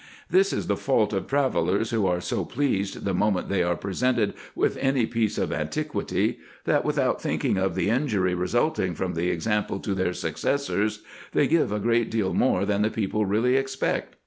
This is the fault of travellers, who are so pleased the moment they are presented with any piece of antiquity, that, without thinking of the injury resulting from the example to their successors, they give a great deal more than the people really expect.